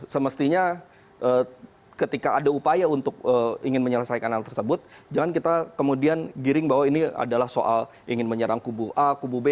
semestinya ketika ada upaya untuk ingin menyelesaikan hal tersebut jangan kita kemudian giring bahwa ini adalah soal ingin menyerang kubu a kubu b